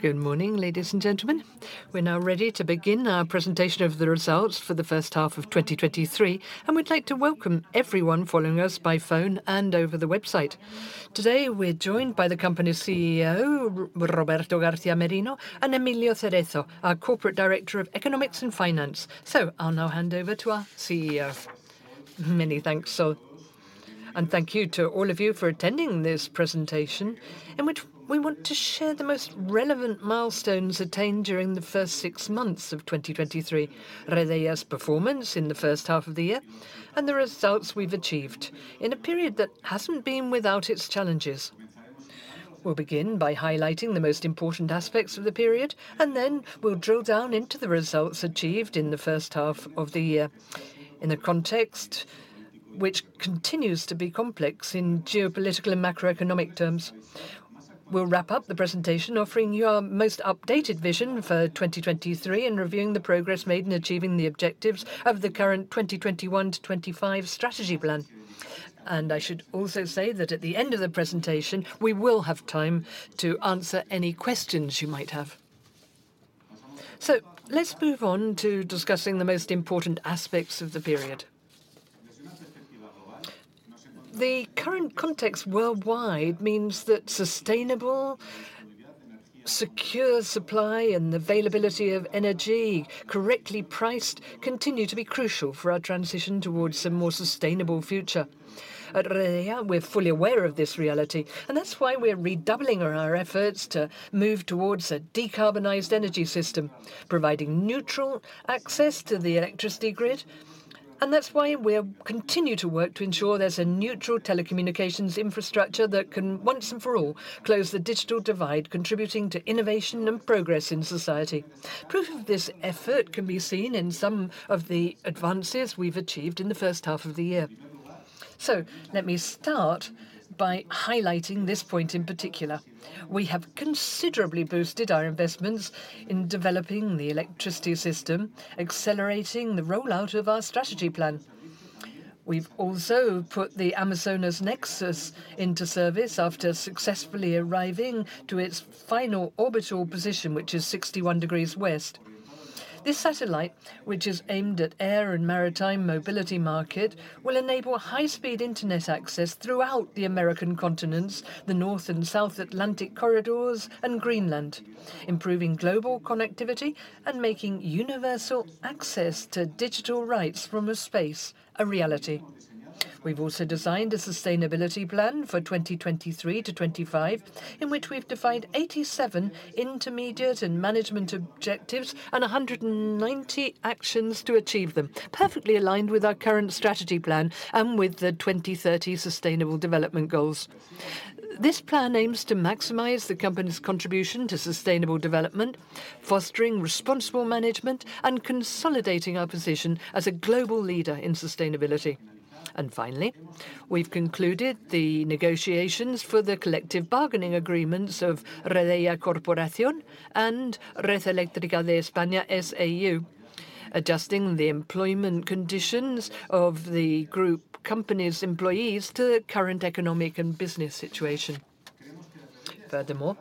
Good morning, ladies and gentlemen. We're now ready to begin our presentation of the results for the first half of 2023, and we'd like to welcome everyone following us by phone and over the website. Today we're joined by the company's CEO, Roberto García Merino; and Emilio Cerezo, our Corporate Director of Economics and Finance. I'll now hand over to our CEO. Many thanks, Sol. Thank you to all of you for attending this presentation in which we want to share the most relevant milestones attained during the first six months of 2023, Redeia's performance in the first half of the year, and the results we've achieved in a period that hasn't been without its challenges. We'll begin by highlighting the most important aspects of the period, and then we'll drill down into the results achieved in the first half of the year in a context which continues to be complex in geopolitical and macroeconomic terms. We'll wrap up the presentation offering you our most updated vision for 2023 and reviewing the progress made in achieving the objectives of the current 2021-2025 strategy plan. I should also say that at the end of the presentation, we will have time to answer any questions you might have. Let's move on to discussing the most important aspects of the period. The current context worldwide means that sustainable, secure supply and availability of energy, correctly priced, continue to be crucial for our transition towards a more sustainable future. At Redeia, we're fully aware of this reality. That's why we're redoubling our efforts to move towards a decarbonized energy system, providing neutral access to the electricity grid. That's why we continue to work to ensure there's a neutral telecommunications infrastructure that can once and for all close the digital divide, contributing to innovation and progress in society. Proof of this effort can be seen in some of the advances we've achieved in the first half of the year. Let me start by highlighting this point in particular. We have considerably boosted our investments in developing the electricity system, accelerating the rollout of our strategy plan. We've also put the Amazonas Nexus into service after successfully arriving to its final orbital position, which is 61 degrees west. This satellite, which is aimed at air and maritime mobility market, will enable high-speed internet access throughout the American continents, the North and South Atlantic corridors, and Greenland, improving global connectivity and making universal access to digital rights from space a reality. We've also designed a sustainability plan for 2023-2025, in which we've defined 87 intermediate and management objectives and 190 actions to achieve them, perfectly aligned with our current strategy plan and with the 2030 Sustainable Development Goals. This plan aims to maximize the company's contribution to sustainable development, fostering responsible management, and consolidating our position as a global leader in sustainability. Finally, we've concluded the negotiations for the collective bargaining agreements of Redeia Corporación and Red Eléctrica de España (S.A.U.) adjusting the employment conditions of the group company's employees to the current economic and business situation. Furthermore,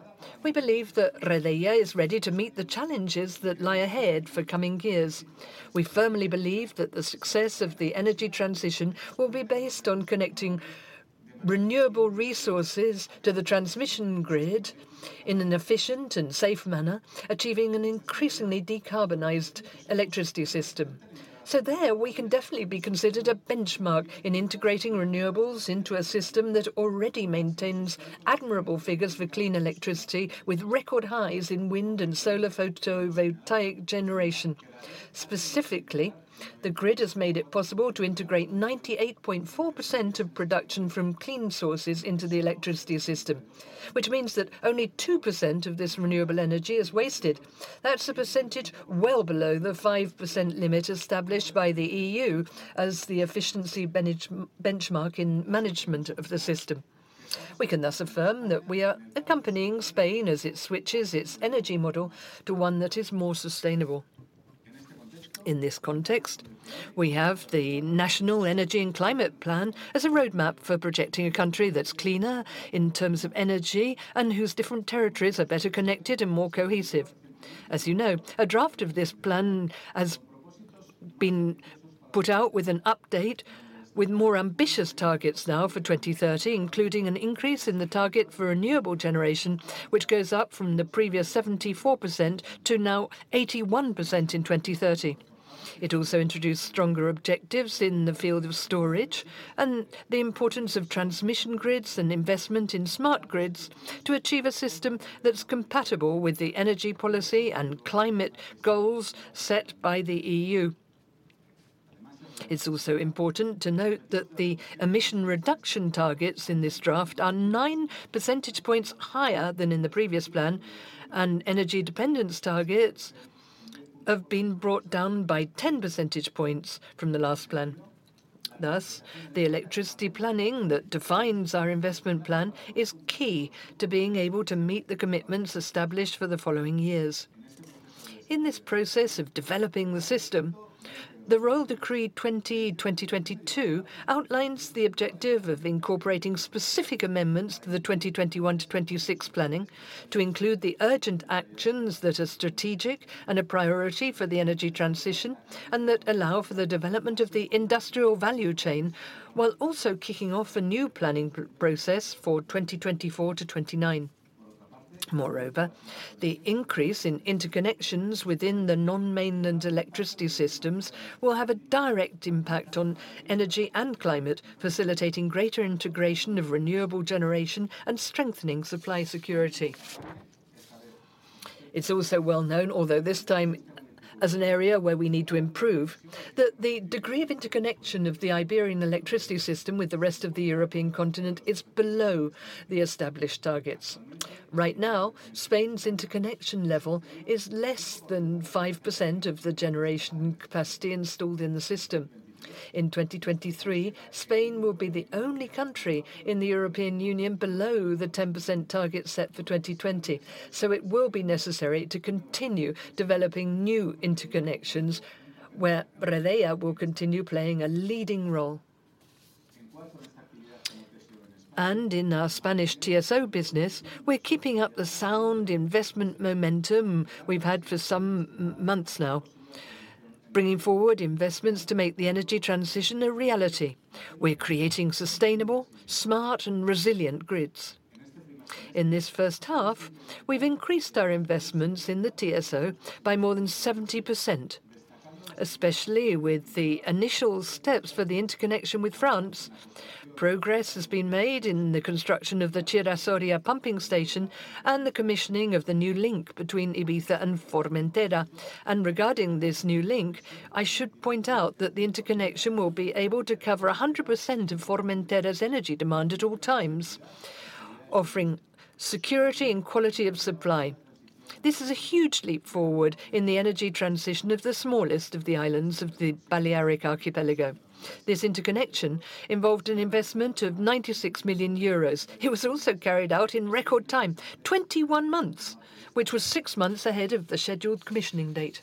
we believe that Redeia is ready to meet the challenges that lie ahead for coming years. We firmly believe that the success of the energy transition will be based on connecting renewable resources to the transmission grid in an efficient and safe manner, achieving an increasingly decarbonized electricity system. There, we can definitely be considered a benchmark in integrating renewables into a system that already maintains admirable figures for clean electricity with record highs in wind and solar photovoltaic generation. Specifically, the grid has made it possible to integrate 98.4% of production from clean sources into the electricity system, which means that only 2% of this renewable energy is wasted. That's a percentage well below the 5% limit established by the EU as the efficiency benchmark in management of the system. We can thus affirm that we are accompanying Spain as it switches its energy model to one that's more sustainable. In this context, we have the National Energy and Climate Plan as a roadmap for projecting a country that's cleaner in terms of energy and whose different territories are better connected and more cohesive. As you know, a draft of this plan has been put out with an update with more ambitious targets now for 2030, including an increase in the target for renewable generation, which goes up from the previous 74% to now 81% in 2030. It also introduced stronger objectives in the field of storage and the importance of transmission grids and investment in smart grids to achieve a system that's compatible with the energy policy and climate goals set by the EU. It's also important to note that the emission reduction targets in this draft are 9 percentage points higher than in the previous plan. Energy dependence targets have been brought down by 10 percentage points from the last plan. The electricity planning that defines our investment plan is key to being able to meet the commitments established for the following years. In this process of developing the system, the Royal Decree-Law 20/2022 outlines the objective of incorporating specific amendments to the 2021-2026 planning to include the urgent actions that are strategic and a priority for the energy transition and that allow for the development of the industrial value chain while also kicking off a new planning process for 2024-29. The increase in interconnections within the non-mainland electricity systems will have a direct impact on energy and climate, facilitating greater integration of renewable generation and strengthening supply security. It's also well known, although this time as an area where we need to improve, that the degree of interconnection of the Iberian electricity system with the rest of the European continent is below the established targets. Right now, Spain's interconnection level is less than 5% of the generation capacity installed in the system. In 2023, Spain will be the only country in the European Union below the 10% target set for 2020, so it will be necessary to continue developing new interconnections where Redeia will continue playing a leading role. In our Spanish TSO business, we're keeping up the sound investment momentum we've had for some months now, bringing forward investments to make the energy transition a reality. We're creating sustainable, smart, and resilient grids. In this first half, we've increased our investments in the TSO by more than 70%, especially with the initial steps for the interconnection with France. Progress has been made in the construction of the Chira-Soria pumping station and the commissioning of the new link between Ibiza and Formentera. Regarding this new link, I should point out that the interconnection will be able to cover 100% of Formentera's energy demand at all times, offering security and quality of supply. This is a huge leap forward in the energy transition of the smallest of the islands of the Balearic archipelago. This interconnection involved an investment of 96 million euros. It was also carried out in record time, 21 months, which was six months ahead of the scheduled commissioning date.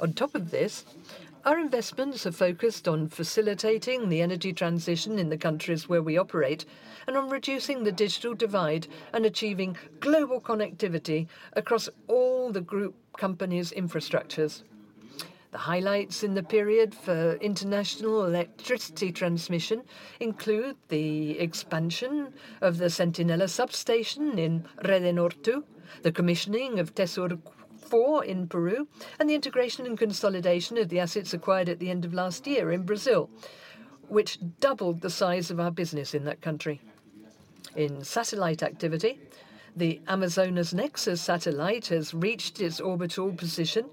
On top of this, our investments are focused on facilitating the energy transition in the countries where we operate and on reducing the digital divide and achieving global connectivity across all the group company's infrastructures. The highlights in the period for international electricity transmission include the expansion of the Centinela substation in REDENOR 2, the commissioning of Tesur 4 in Peru, and the integration and consolidation of the assets acquired at the end of last year in Brazil, which doubled the size of our business in that country. In satellite activity, the Amazonas Nexus satellite has reached its orbital position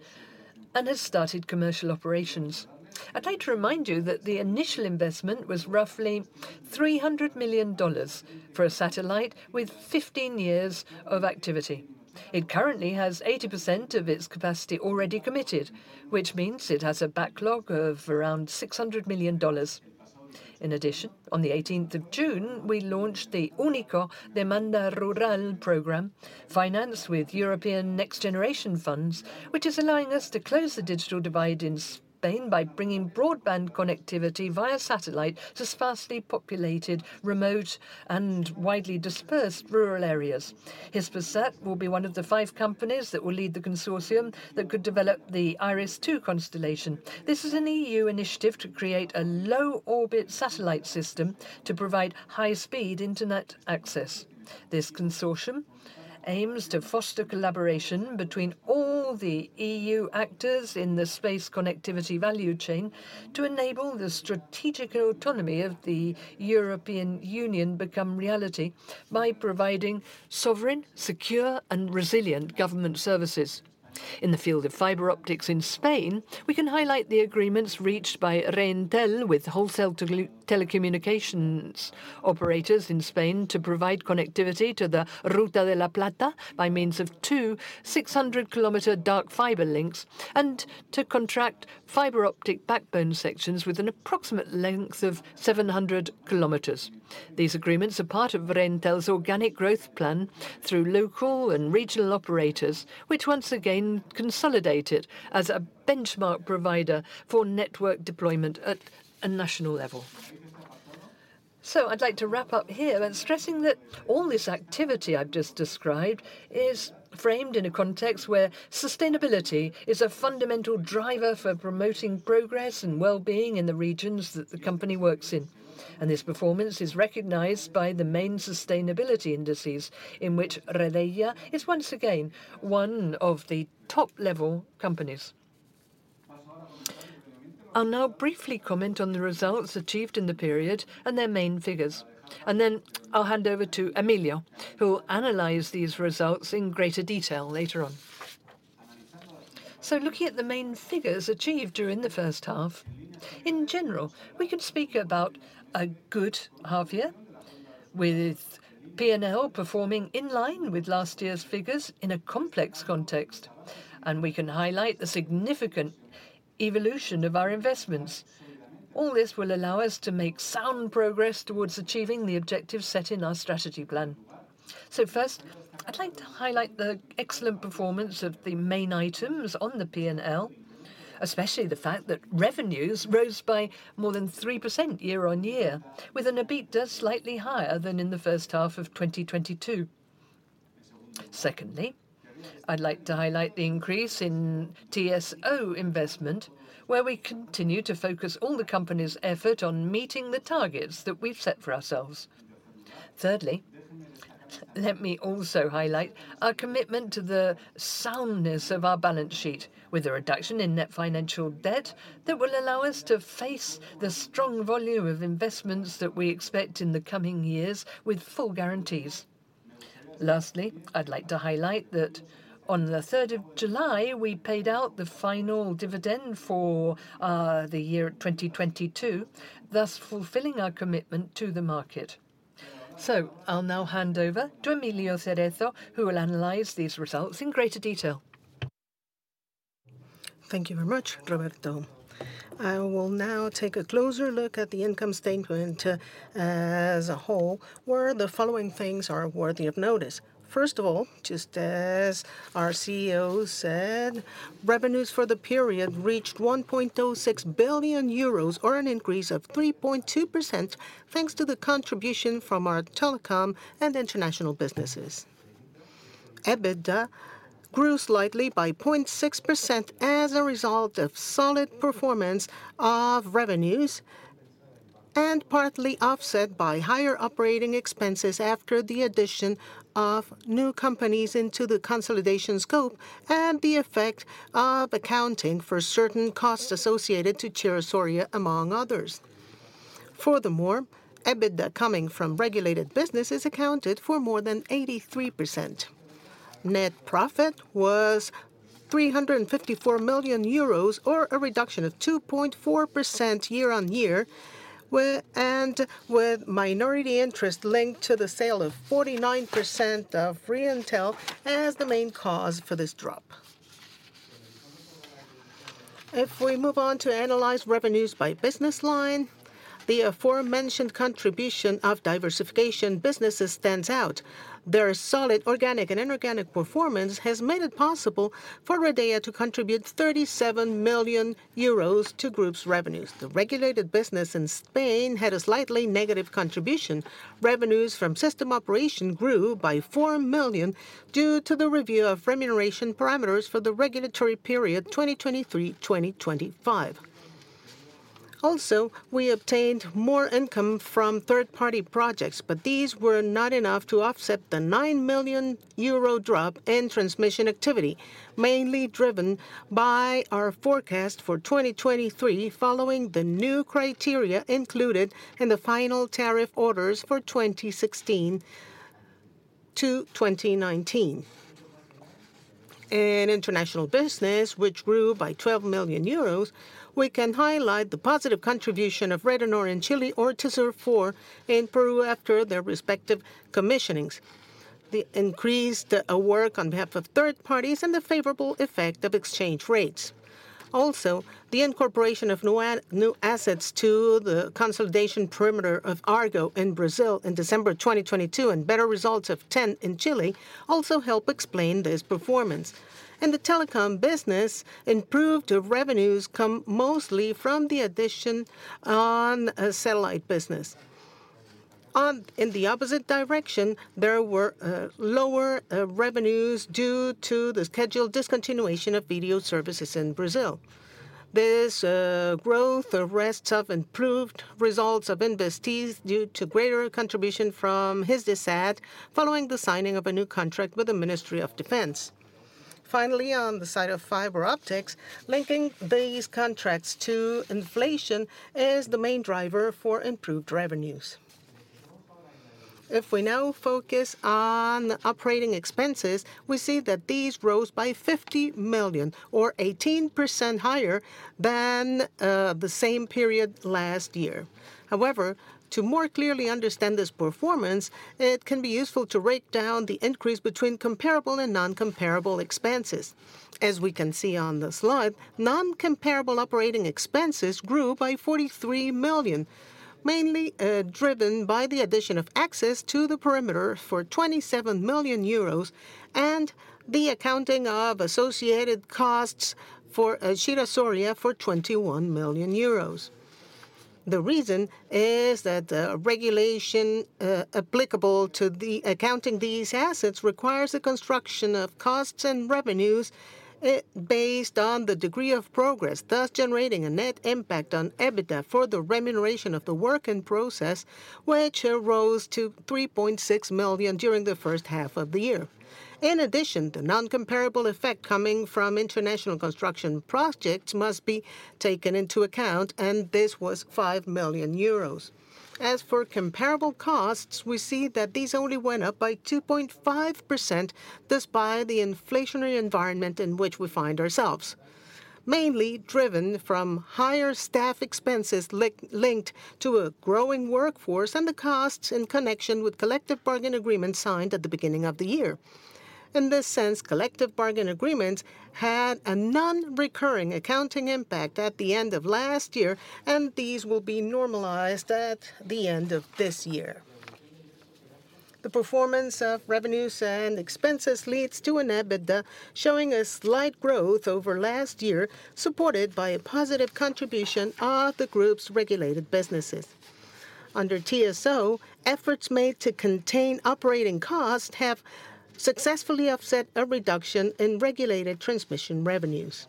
and has started commercial operations. I'd like to remind you that the initial investment was roughly $300 million for a satellite with 15 years of activity. It currently has 80% of its capacity already committed, which means it has a backlog of around $600 million. In addition, on the 18th of June, we launched the ÚNICO Demanda Rural program, financed with European Next Generation funds, which is allowing us to close the digital divide in Spain by bringing broadband connectivity via satellite to sparsely populated, remote, and widely dispersed rural areas. Hispasat will be one of the five companies that will lead the consortium that could develop the IRIS² constellation. This is an EU initiative to create a low-orbit satellite system to provide high-speed internet access. This consortium aims to foster collaboration between all the EU actors in the space connectivity value chain to enable the strategic autonomy of the European Union to become reality by providing sovereign, secure, and resilient government services. In the field of fiber optics in Spain, we can highlight the agreements reached by Reintel with wholesale telecommunications operators in Spain to provide connectivity to the Ruta de la Plata by means of two 600 km dark fiber links and to contract fiber optic backbone sections with an approximate length of 700 km. These agreements are part of Reintel's organic growth plan through local and regional operators, which once again consolidate it as a benchmark provider for network deployment at a national level. I'd like to wrap up here by stressing that all this activity I've just described is framed in a context where sustainability is a fundamental driver for promoting progress and well-being in the regions that the company works in. This performance is recognized by the main sustainability indices in which Redeia is once again one of the top-level companies. I'll now briefly comment on the results achieved in the period and their main figures. I'll hand over to Emilio, who will analyze these results in greater detail later on. Looking at the main figures achieved during the first half, in general, we can speak about a good half-year, with P&L performing in line with last year's figures in a complex context. We can highlight the significant evolution of our investments. All this will allow us to make sound progress towards achieving the objectives set in our strategy plan. First, I'd like to highlight the excellent performance of the main items on the P&L, especially the fact that revenues rose by more than 3% year-on-year, with an EBITDA slightly higher than in the first half of 2022. Secondly, I'd like to highlight the increase in TSO investment, where we continue to focus all the company's effort on meeting the targets that we've set for ourselves. Thirdly, let me also highlight our commitment to the soundness of our balance sheet, with a reduction in net financial debt that will allow us to face the strong volume of investments that we expect in the coming years with full guarantees. Lastly, I'd like to highlight that on the July 3rd, we paid out the final dividend for the year 2022, thus fulfilling our commitment to the market. I'll now hand over to Emilio Cerezo, who will analyze these results in greater detail. Thank you very much, Roberto. I will now take a closer look at the income statement as a whole, where the following things are worthy of notice. Just as our CEO said, revenues for the period reached 1.06 billion euros, or an increase of 3.2% thanks to the contribution from our telecom and international businesses. EBITDA grew slightly by 0.6% as a result of solid performance of revenues, partly offset by higher operating expenses after the addition of new companies into the consolidation scope and the effect of accounting for certain costs associated to Chira-Soria, among others. EBITDA coming from regulated businesses accounted for more than 83%. Net profit was 354 million euros, or a reduction of 2.4% year-on-year, with minority interest linked to the sale of 49% of Reintel as the main cause for this drop. If we move on to analyze revenues by business line, the aforementioned contribution of diversification businesses stands out. Their solid organic and inorganic performance has made it possible for Redeia to contribute 37 million euros to group's revenues. The regulated business in Spain had a slightly negative contribution. Revenues from system operation grew by 4 million due to the review of remuneration parameters for the regulatory period 2023-2025. Also, we obtained more income from third-party projects, but these were not enough to offset the 9 million euro drop in transmission activity, mainly driven by our forecast for 2023 following the new criteria included in the final tariff orders for 2016 to 2019. In international business, which grew by 12 million euros, we can highlight the positive contribution of REDENOR in Chile or Tesur 4 in Peru after their respective commissionings, the increased work on behalf of third parties, and the favorable effect of exchange rates. The incorporation of new assets to the consolidation perimeter of Argo in Brazil in December 2022 and better results of TEN in Chile also help explain this performance. In the telecom business, improved revenues come mostly from the addition on satellite business. In the opposite direction, there were lower revenues due to the scheduled discontinuation of video services in Brazil. This growth arrests of improved results of investees due to greater contribution from Hispasat following the signing of a new contract with the Ministry of Defense. On the side of fiber optics, linking these contracts to inflation is the main driver for improved revenues. We now focus on the operating expenses, we see that these rose by 50 million, or 18% higher, than the same period last year. To more clearly understand this performance, it can be useful to break down the increase between comparable and non-comparable expenses. As we can see on the slide, non-comparable operating expenses grew by 43 million, mainly driven by the addition of access to the perimeter for 27 million euros and the accounting of associated costs for Chira-Soria for 21 million euros. The reason is that regulation applicable to the accounting of these assets requires the construction of costs and revenues based on the degree of progress, thus generating a net impact on EBITDA for the remuneration of the work in process, which rose to 3.6 million during the first half of the year. In addition, the non-comparable effect coming from international construction projects must be taken into account, and this was 5 million euros. As for comparable costs, we see that these only went up by 2.5% despite the inflationary environment in which we find ourselves, mainly driven from higher staff expenses linked to a growing workforce and the costs in connection with collective bargain agreements signed at the beginning of the year. In this sense, collective bargain agreements had a non-recurring accounting impact at the end of last year. These will be normalized at the end of this year. The performance of revenues and expenses leads to an EBITDA showing a slight growth over last year, supported by a positive contribution of the group's regulated businesses. Under TSO, efforts made to contain operating costs have successfully offset a reduction in regulated transmission revenues.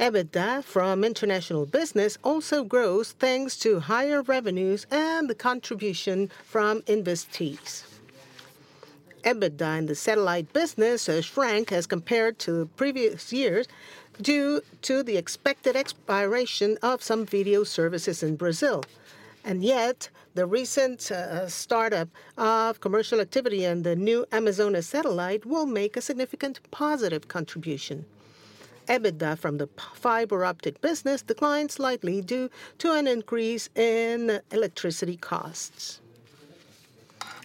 EBITDA from international business also grows thanks to higher revenues and the contribution from investees. EBITDA in the satellite business shrank as compared to previous years due to the expected expiration of some video services in Brazil. The recent startup of commercial activity in the new Amazonas satellite will make a significant positive contribution. EBITDA from the fiber optic business declined slightly due to an increase in electricity costs.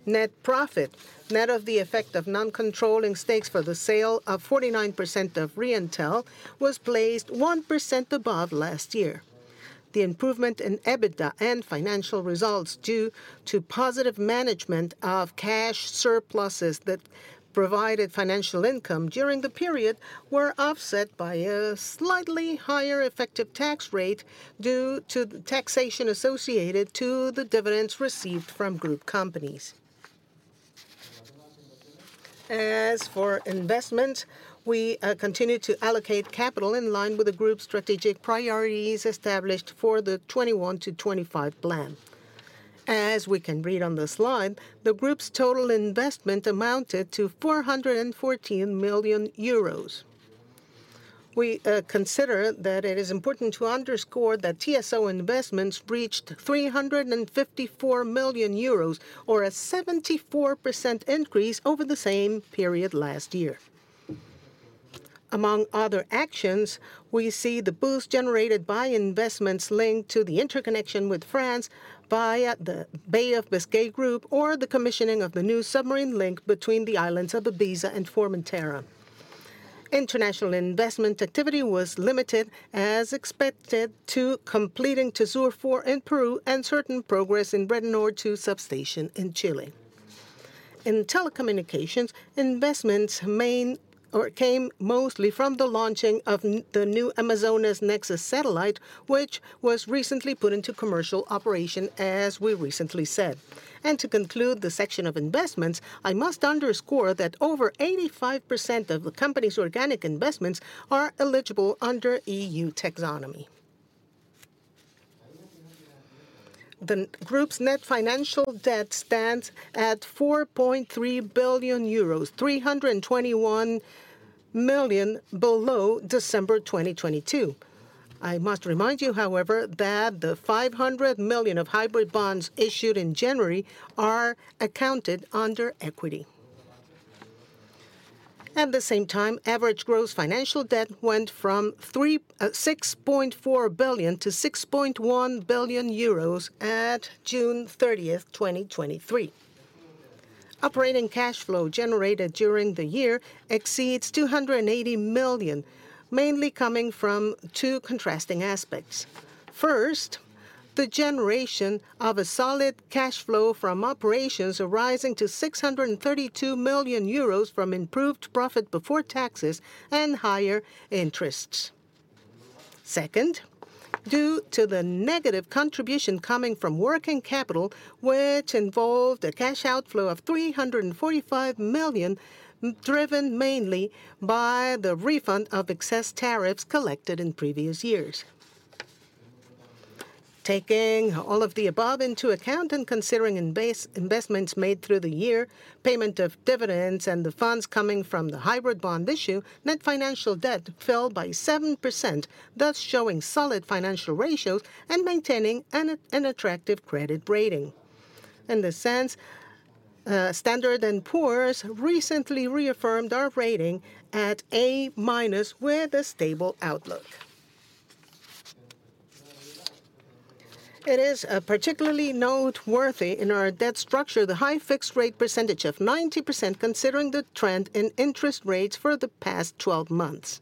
Net profit, net of the effect of non-controlling stakes for the sale of 49% of Reintel, was placed 1% above last year. The improvement in EBITDA and financial results due to positive management of cash surpluses that provided financial income during the period were offset by a slightly higher effective tax rate due to taxation associated to the dividends received from group companies. As for investment, we continue to allocate capital in line with the group's strategic priorities established for the 2021-2025 plan. As we can read on the slide, the group's total investment amounted to 414 million euros. We consider that it is important to underscore that TSO investments reached 354 million euros, or a 74% increase over the same period last year. Among other actions, we see the boost generated by investments linked to the interconnection with France via the Bay of Biscay group or the commissioning of the new submarine link between the islands of Ibiza and Formentera. International investment activity was limited, as expected, to completing Tesur 4 in Peru and certain progress in REDENOR 2 Substation in Chile. In telecommunications, investments came mostly from the launching of the new Amazonas Nexus satellite, which was recently put into commercial operation, as we recently said. To conclude the section of investments, I must underscore that over 85% of the company's organic investments are eligible under EU taxonomy. The group's net financial debt stands at 4.3 billion euros, 321 million below December 2022. I must remind you, however, that the 500 million of hybrid bonds issued in January are accounted under equity. At the same time, average gross financial debt went from 6.4 billion-6.1 billion euros at June 30th, 2023. Operating cash flow generated during the year exceeds 280 million, mainly coming from two contrasting aspects. First, the generation of a solid cash flow from operations arising to 632 million euros from improved profit before taxes and higher interests. Second, due to the negative contribution coming from working capital, which involved a cash outflow of 345 million, driven mainly by the refund of excess tariffs collected in previous years. Taking all of the above into account and considering investments made through the year, payment of dividends, and the funds coming from the hybrid bond issue, net financial debt fell by 7%, thus showing solid financial ratios and maintaining an attractive credit rating. In this sense, Standard & Poor's recently reaffirmed our rating at A-minus, with a stable outlook. It is particularly noteworthy in our debt structure the high fixed-rate percentage of 90% considering the trend in interest rates for the past 12 months.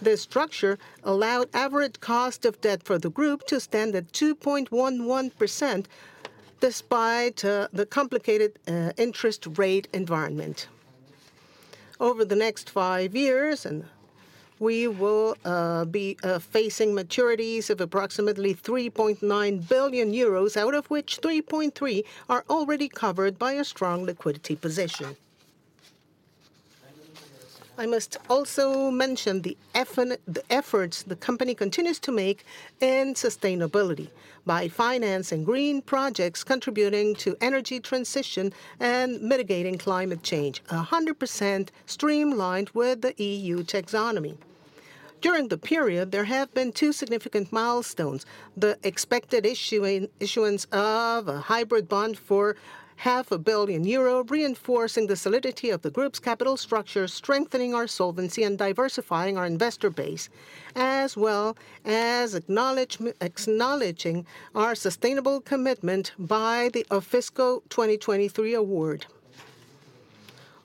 This structure allowed average cost of debt for the group to stand at 2.11% despite the complicated interest rate environment. Over the next five years, we will be facing maturities of approximately 3.9 billion euros, out of which 3.3 billion are already covered by a strong liquidity position. I must also mention the efforts the company continues to make in sustainability by financing green projects contributing to energy transition and mitigating climate change, 100% streamlined with the EU taxonomy. During the period, there have been two significant milestones: the expected issuance of a hybrid bond for half a billion euro, reinforcing the solidity of the group's capital structure, strengthening our solvency, and diversifying our investor base, as well as acknowledging our sustainable commitment by the Afi 2023 award.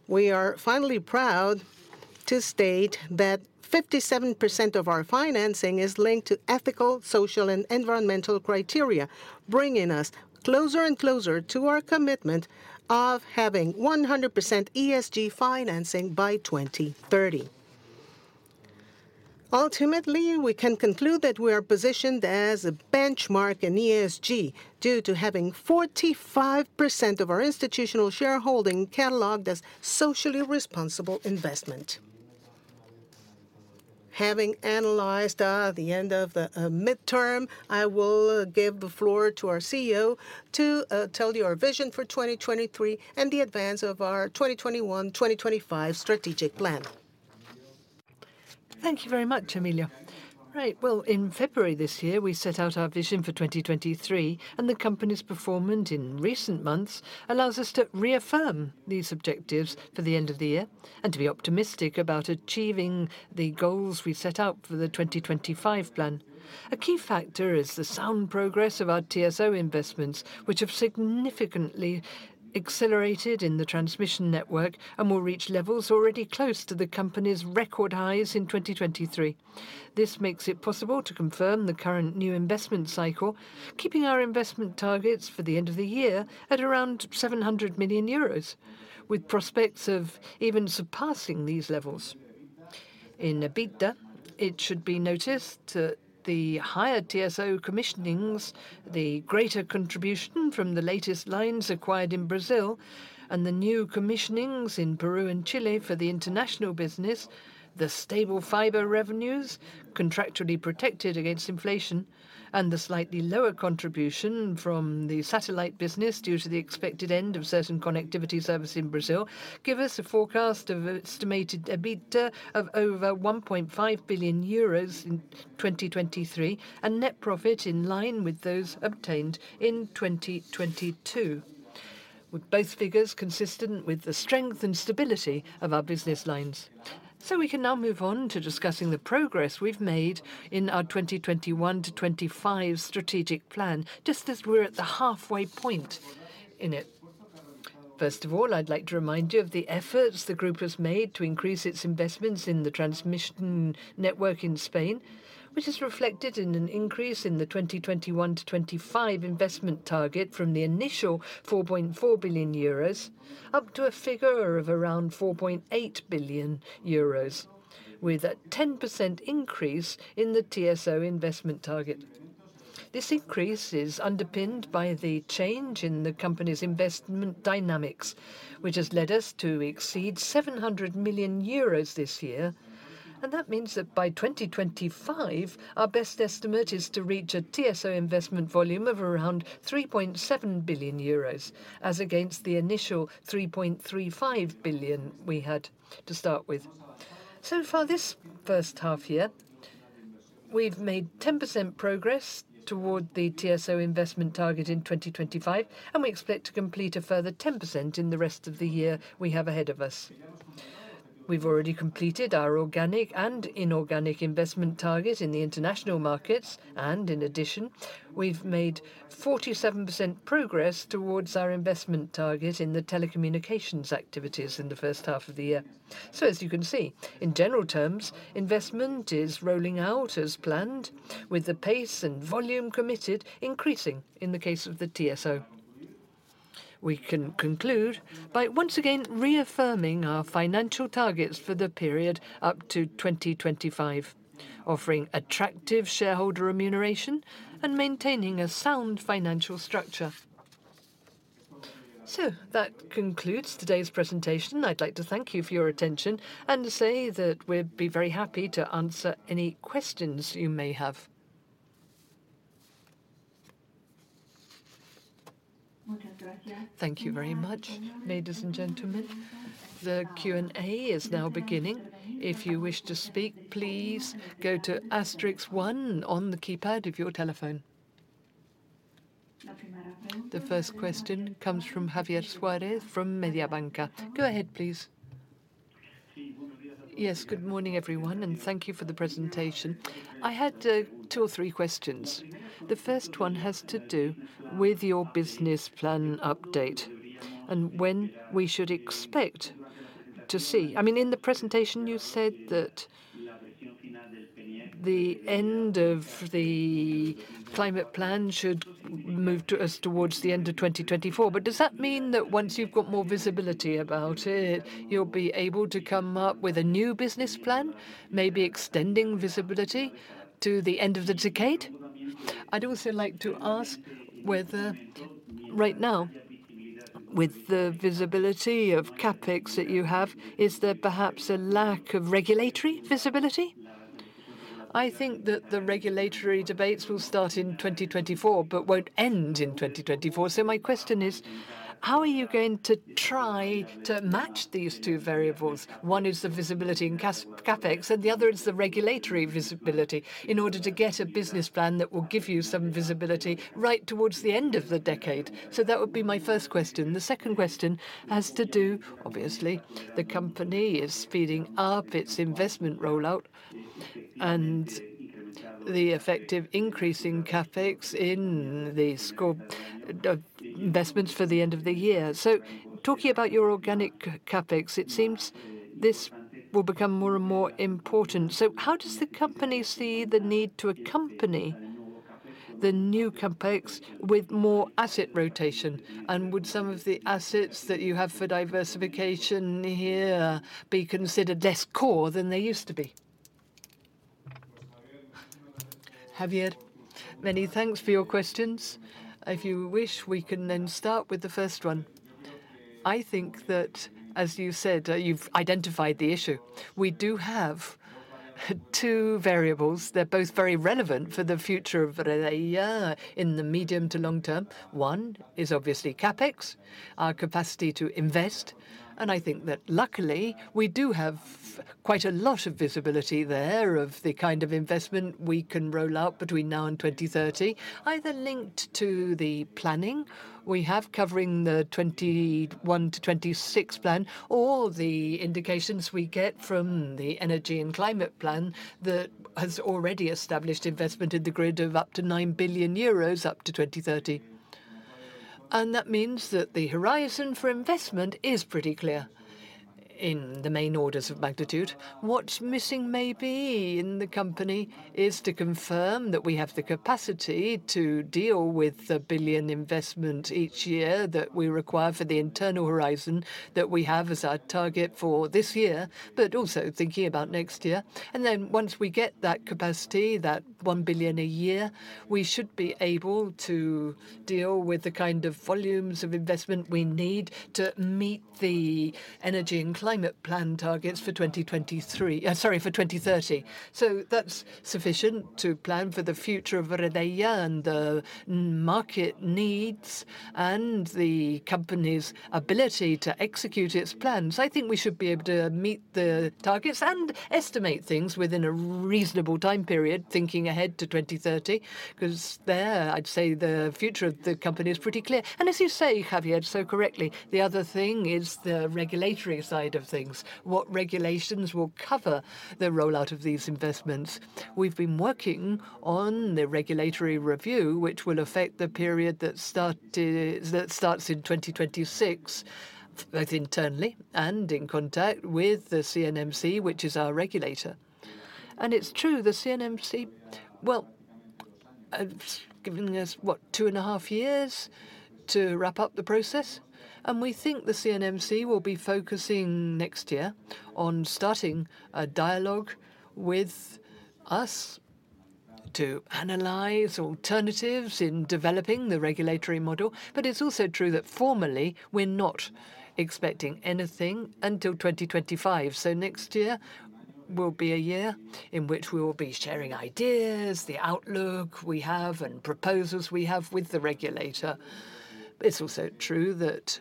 We are finally proud to state that 57% of our financing is linked to ethical, social, and environmental criteria, bringing us closer and closer to our commitment of having 100% ESG financing by 2030. Ultimately, we can conclude that we are positioned as a benchmark in ESG due to having 45% of our institutional shareholding cataloged as socially responsible investment. Having analyzed the end of the midterm, I will give the floor to our CEO to tell you our vision for 2023 and the advance of our 2021-2025 strategic plan. Thank you very much, Emilio. Right, well, in February this year, we set out our vision for 2023. The company's performance in recent months allows us to reaffirm these objectives for the end of the year and to be optimistic about achieving the goals we set out for the 2025 plan. A key factor is the sound progress of our TSO investments, which have significantly accelerated in the transmission network and will reach levels already close to the company's record highs in 2023. This makes it possible to confirm the current new investment cycle, keeping our investment targets for the end of the year at around 700 million euros, with prospects of even surpassing these levels. In EBITDA, it should be noticed that the higher TSO commissionings, the greater contribution from the latest lines acquired in Brazil, and the new commissionings in Peru and Chile for the international business, the stable fiber revenues, contractually protected against inflation, and the slightly lower contribution from the satellite business due to the expected end of certain connectivity service in Brazil, give us a forecast of estimated EBITDA of over 1.5 billion euros in 2023 and net profit in line with those obtained in 2022, with both figures consistent with the strength and stability of our business lines. We can now move on to discussing the progress we've made in our 2021-2025 strategic plan, just as we're at the halfway point in it. First of all, I'd like to remind you of the efforts the group has made to increase its investments in the transmission network in Spain, which is reflected in an increase in the 2021-2025 investment target from the initial 4.4 billion euros up to a figure of around 4.8 billion euros, with a 10% increase in the TSO investment target. This increase is underpinned by the change in the company's investment dynamics, which has led us to exceed 700 million euros this year. That means that by 2025, our best estimate is to reach a TSO investment volume of around 3.7 billion euros, as against the initial 3.35 billion we had to start with. Far, this first half year, we've made 10% progress toward the TSO investment target in 2025, and we expect to complete a further 10% in the rest of the year we have ahead of us. We've already completed our organic and inorganic investment target in the international markets, and in addition, we've made 47% progress towards our investment target in the telecommunications activities in the first half of the year. As you can see, in general terms, investment is rolling out as planned, with the pace and volume committed increasing in the case of the TSO. We can conclude by once again reaffirming our financial targets for the period up to 2025, offering attractive shareholder remuneration and maintaining a sound financial structure. That concludes today's presentation. I'd like to thank you for your attention and say that we'll be very happy to answer any questions you may have. Thank you very much, ladies and gentlemen. The Q&A is now beginning. If you wish to speak, please go to star one on the keypad of your telephone. The first question comes from Javier Suárez from Mediobanca. Go ahead, please. Good morning, everyone, and thank you for the presentation. I had two or three questions. The first one has to do with your business plan update and when we should expect to see. I mean, in the presentation, you said that the end of the climate plan should move us towards the end of 2024, but does that mean that once you've got more visibility about it, you'll be able to come up with a new business plan, maybe extending visibility to the end of the decade? I'd also like to ask whether right now, with the visibility of CapEx that you have, is there perhaps a lack of regulatory visibility? I think that the regulatory debates will start in 2024 but won't end in 2024. My question is, how are you going to try to match these two variables? One is the visibility in CapEx, and the other is the regulatory visibility in order to get a business plan that will give you some visibility right towards the end of the decade. That would be my first question. The second question has to do, obviously, the company is speeding up its investment rollout and the effective increasing CapEx in the scope of investments for the end of the year. Talking about your organic CapEx, it seems this will become more and more important. How does the company see the need to accompany the new CapEx with more asset rotation? Would some of the assets that you have for diversification here be considered less core than they used to be? Javier, many thanks for your questions. If you wish, we can start with the first one. I think that, as you said, you've identified the issue. We do have two variables. They're both very relevant for the future of Redeia in the medium to long term. One is obviously CapEx, our capacity to invest. I think that, luckily, we do have quite a lot of visibility there of the kind of investment we can roll out between now and 2030, either linked to the planning we have covering the 2021-2026 plan or the indications we get from the energy and climate plan that has already established investment in the grid of up to 9 billion euros up to 2030. That means that the horizon for investment is pretty clear in the main orders of magnitude. What's missing maybe in the company is to confirm that we have the capacity to deal with the 1 billion investment each year that we require for the internal horizon that we have as our target for this year, but also thinking about next year. Once we get that capacity, that 1 billion a year, we should be able to deal with the kind of volumes of investment we need to meet the Energy and Climate Plan targets for 2030. That's sufficient to plan for the future of Redeia and the market needs and the company's ability to execute its plans. I think we should be able to meet the targets and estimate things within a reasonable time period, thinking ahead to 2030, because there, I'd say the future of the company is pretty clear. As you say, Javier, so correctly, the other thing is the regulatory side of things, what regulations will cover the rollout of these investments. We've been working on the regulatory review, which will affect the period that starts in 2026, both internally and in contact with the CNMC, which is our regulator. It's true, the CNMC, well, it's giving us, what, two and a half years to wrap up the process. We think the CNMC will be focusing next year on starting a dialogue with us to analyze alternatives in developing the regulatory model. It's also true that formally, we're not expecting anything until 2025. Next year will be a year in which we will be sharing ideas, the outlook we have, and proposals we have with the regulator. It's also true that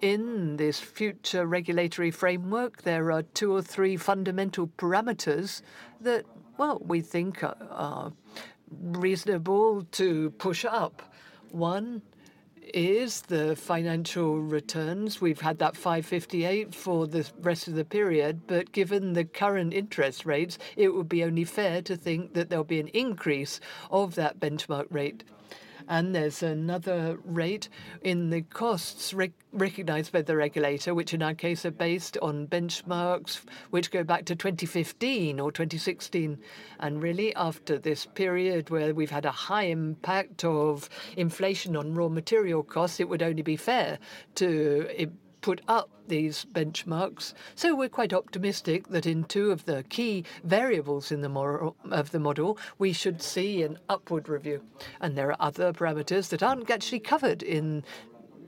in this future regulatory framework, there are two or three fundamental parameters that, well, we think are reasonable to push up. One is the financial returns. We've had that 5.58 for the rest of the period, but given the current interest rates, it would be only fair to think that there'll be an increase of that benchmark rate. There's another rate in the costs recognized by the regulator, which in our case are based on benchmarks which go back to 2015 or 2016. Really, after this period where we've had a high impact of inflation on raw material costs, it would only be fair to put up these benchmarks. We're quite optimistic that in two of the key variables in the model we should see an upward review. There are other parameters that aren't actually covered in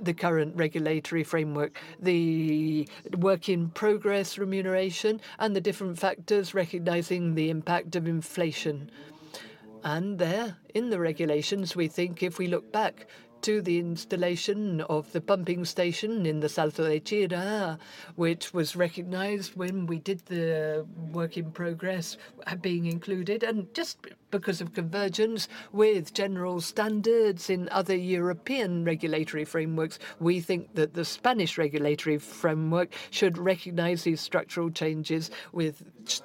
the current regulatory framework, the work-in-progress remuneration and the different factors recognizing the impact of inflation. There, in the regulations, we think if we look back to the installation of the pumping station in the south of Chira-Soria, which was recognized when we did the work-in-progress being included, and just because of convergence with general standards in other European regulatory frameworks, we think that the Spanish regulatory framework should recognize these structural changes which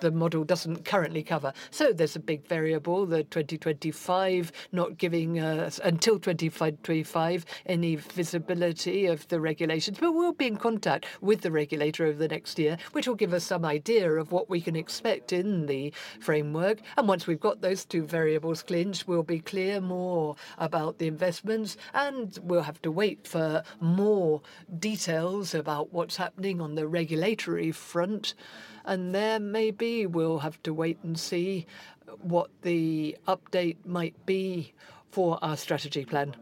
the model doesn't currently cover. There's a big variable, the 2025, not giving until 2025 any visibility of the regulations. We'll be in contact with the regulator over the next year, which will give us some idea of what we can expect in the framework. Once we've got those two variables clinched, we'll be clear more about the investments, and we'll have to wait for more details about what's happening on the regulatory front. There maybe we'll have to wait and see what the update might be for our strategy plan.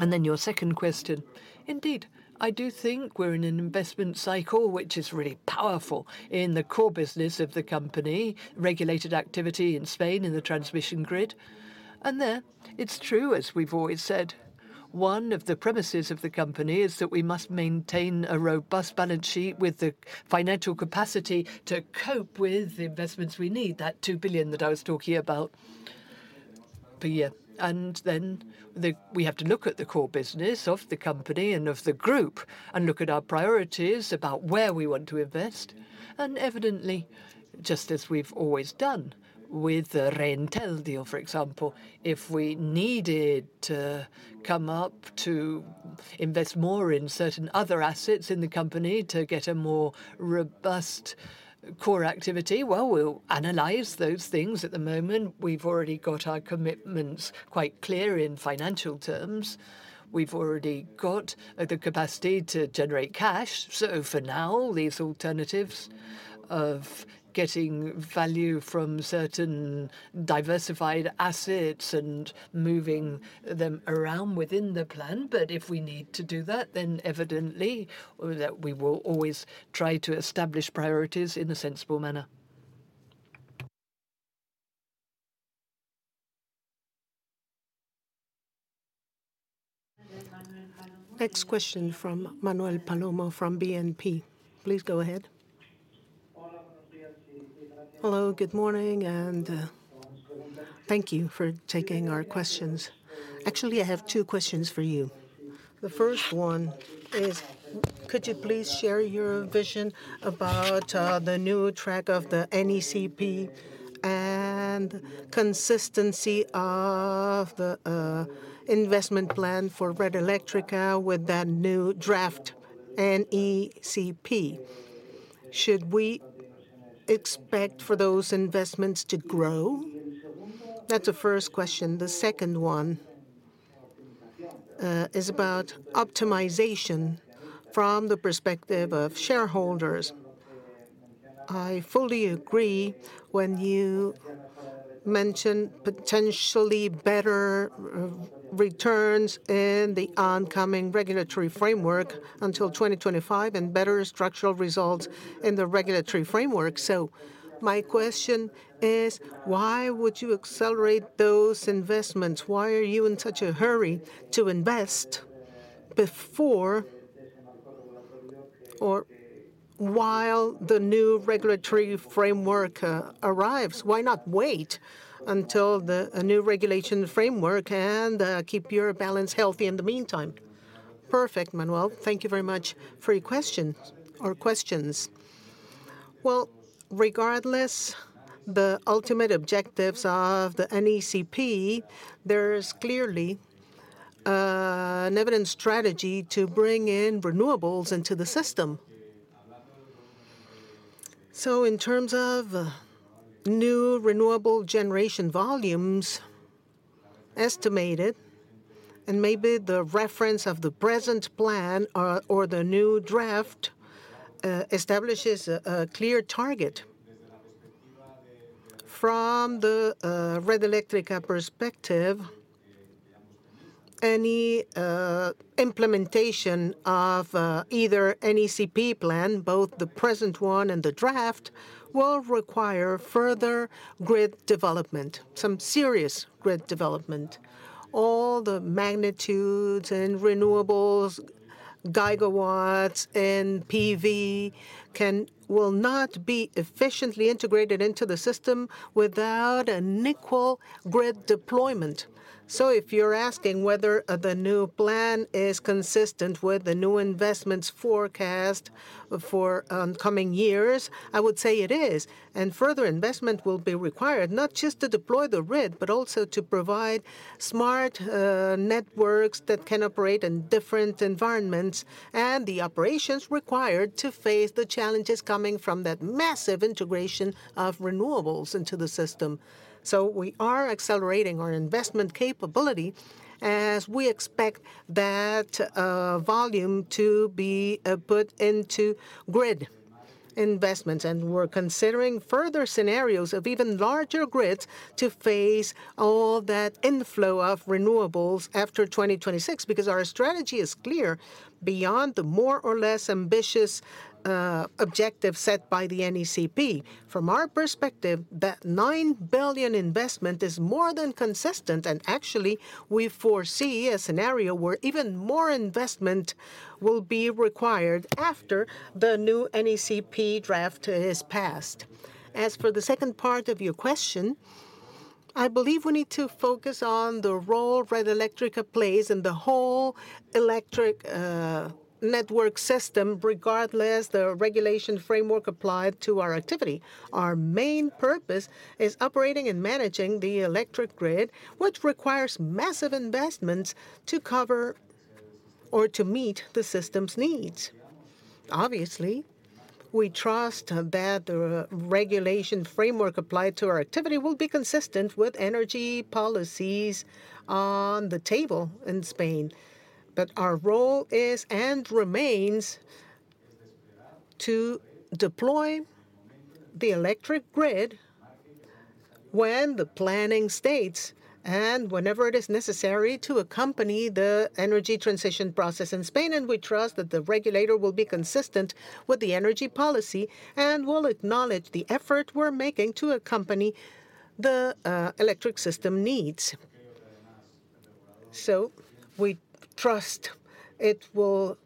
Your second question. Indeed, I do think we're in an investment cycle which is really powerful in the core business of the company, regulated activity in Spain in the transmission grid. There, it's true, as we've always said, one of the premises of the company is that we must maintain a robust balance sheet with the financial capacity to cope with the investments we need, that 2 billion that I was talking about per year. We have to look at the core business of the company and of the group and look at our priorities about where we want to invest. Evidently, just as we've always done with Reintel, for example, if we needed to come up to invest more in certain other assets in the company to get a more robust core activity, well, we'll analyze those things. At the moment, we've already got our commitments quite clear in financial terms. We've already got the capacity to generate cash. For now, these alternatives of getting value from certain diversified assets and moving them around within the plan. If we need to do that, then evidently that we will always try to establish priorities in a sensible manner. Next question from Manuel Palomo from BNP. Please go ahead. Hello, good morning, and thank you for taking our questions. Actually, I have two questions for you. The first one is, could you please share your vision about the new track of the NECP and consistency of the investment plan for Red Eléctrica with that new draft NECP? Should we expect for those investments to grow? That's the first question. The second one is about optimization from the perspective of shareholders. I fully agree when you mentioned potentially better returns in the oncoming regulatory framework until 2025 and better structural results in the regulatory framework. My question is, why would you accelerate those investments? Why are you in such a hurry to invest before or while the new regulatory framework arrives? Why not wait until a new regulation framework and keep your balance healthy in the meantime? Perfect, Manuel. Thank you very much for your question or questions. Regardless, the ultimate objectives of the NECP, there's clearly an evident strategy to bring in renewables into the system. In terms of new renewable generation volumes estimated, and maybe the reference of the present plan or the new draft establishes a clear target from the Red Eléctrica perspective, any implementation of either NECP plan, both the present one and the draft, will require further grid development, some serious grid development. All the magnitudes and renewables, gigawatts and PV will not be efficiently integrated into the system without an equal grid deployment. If you're asking whether the new plan is consistent with the new investments forecast for oncoming years, I would say it is. Further investment will be required, not just to deploy the grid, but also to provide smart networks that can operate in different environments and the operations required to face the challenges coming from that massive integration of renewables into the system. We are accelerating our investment capability as we expect that volume to be put into grid investments. We're considering further scenarios of even larger grids to face all that inflow of renewables after 2026 because our strategy is clear beyond the more or less ambitious objective set by the NECP. From our perspective, that 9 billion investment is more than consistent. Actually, we foresee a scenario where even more investment will be required after the new NECP draft is passed. As for the second part of your question, I believe we need to focus on the role Red Eléctrica plays in the whole electric network system, regardless of the regulation framework applied to our activity. Our main purpose is operating and managing the electric grid, which requires massive investments to cover or to meet the system's needs. Obviously, we trust that the regulation framework applied to our activity will be consistent with energy policies on the table in Spain. Our role is and remains to deploy the electric grid when the planning states and whenever it is necessary to accompany the energy transition process in Spain. We trust that the regulator will be consistent with the energy policy and will acknowledge the effort we're making to accompany the electric system needs. We trust it will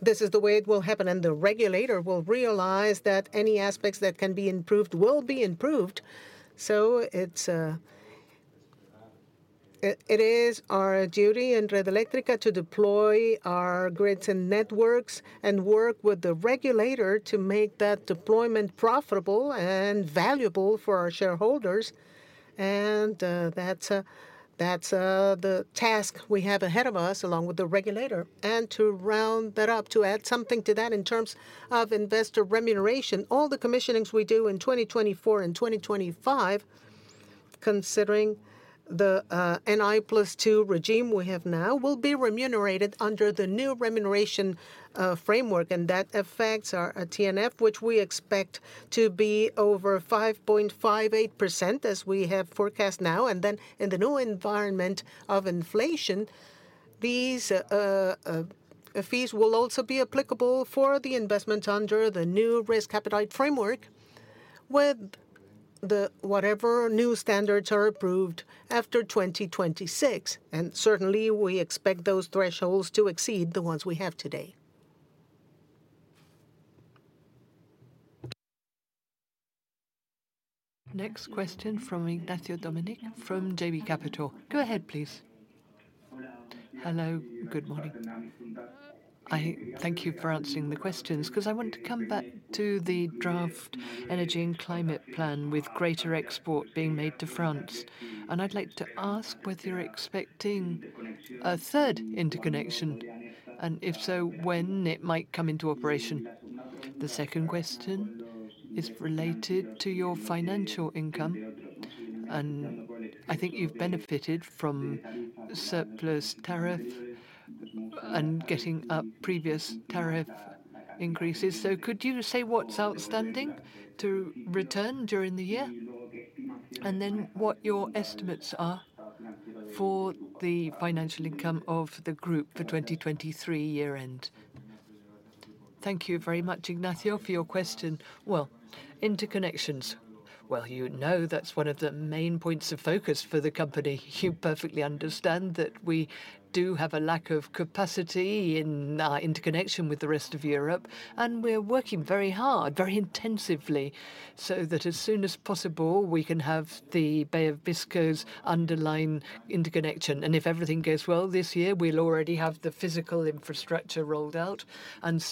this is the way it will happen. The regulator will realize that any aspects that can be improved will be improved. It is our duty in Red Eléctrica to deploy our grids and networks and work with the regulator to make that deployment profitable and valuable for our shareholders. That's the task we have ahead of us along with the regulator. To round that up, to add something to that in terms of investor remuneration, all the commissionings we do in 2024 and 2025, considering the n+2 regime we have now, will be remunerated under the new remuneration framework. That affects our TRF, which we expect to be over 5.58% as we have forecast now. In the new environment of inflation, these fees will also be applicable for the investment under the new risk appetite framework with whatever new standards are approved after 2026. Certainly, we expect those thresholds to exceed the ones we have today. Next question from Ignacio Domenech from JB Capital. Go ahead, please. Hello, good morning. Thank you for answering the questions because I want to come back to the draft Energy and Climate Plan with greater export being made to France. I'd like to ask whether you're expecting a third interconnection. If so, when it might come into operation. The second question is related to your financial income. I think you've benefited from surplus tariff and getting up previous tariff increases. Could you say what's outstanding to return during the year? What your estimates are for the financial income of the group for 2023 year-end? Thank you very much, Ignacio, for your question. Well, interconnections. Well, you know that's one of the main points of focus for the company. You perfectly understand that we do have a lack of capacity in our interconnection with the rest of Europe. We're working very hard, very intensively so that as soon as possible we can have the Bay of Biscay's underlying interconnection. If everything goes well this year, we'll already have the physical infrastructure rolled out.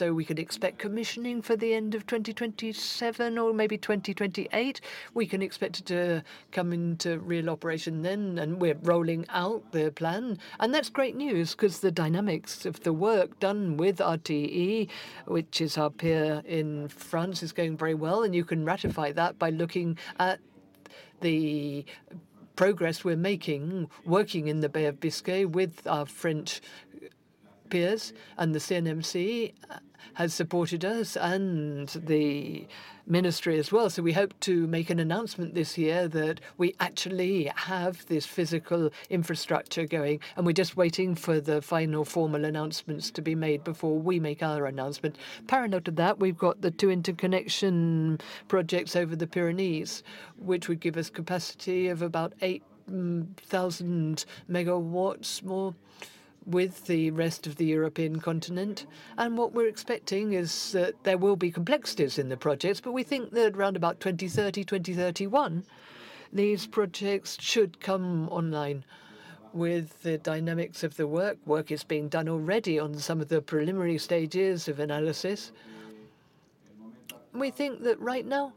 We can expect commissioning for the end of 2027 or maybe 2028. We can expect it to come into real operation then. We're rolling out the plan. That's great news because the dynamics of the work done with RTE, which is our peer in France, is going very well. You can ratify that by looking at the progress we're making, working in the Bay of Biscay with our French peers. The CNMC has supported us and the ministry as well. We hope to make an announcement this year that we actually have this physical infrastructure going. We're just waiting for the final formal announcements to be made before we make our announcement. Parallel to that, we've got the two interconnection projects over the Pyrenees, which would give us capacity of about 8,000 MW more with the rest of the European continent. What we're expecting is that there will be complexities in the projects. We think that around about 2030, 2031, these projects should come online with the dynamics of the work. Work is being done already on some of the preliminary stages of analysis. We think that right now,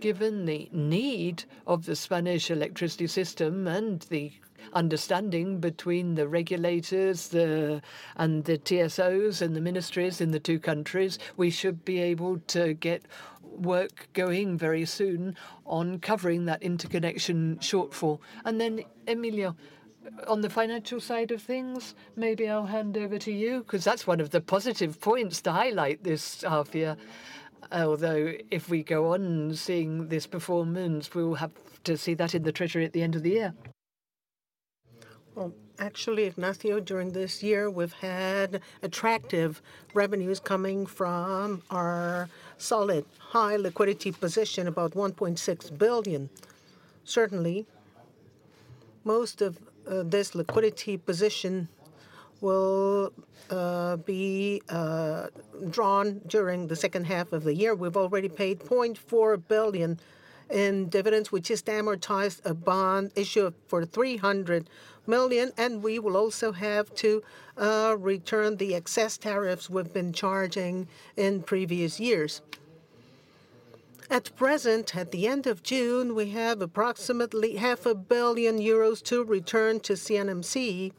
given the need of the Spanish electricity system and the understanding between the regulators and the TSOs and the ministries in the two countries, we should be able to get work going very soon on covering that interconnection shortfall. Emilio, on the financial side of things, maybe I'll hand over to you because that's one of the positive points to highlight this half-year. Although if we go on seeing this performance, we will have to see that in the treasury at the end of the year. Well, actually, Ignacio, during this year, we've had attractive revenues coming from our solid high liquidity position, about 1.6 billion. Certainly, most of this liquidity position will be drawn during the second half of the year. We've already paid 0.4 billion in dividends, which is amortized a bond issue for 300 million. We will also have to return the excess tariffs we've been charging in previous years. At present, at the end of June, we have approximately half a billion EUR to return to CNMC.